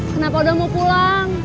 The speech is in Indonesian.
kenapa udah mau pulang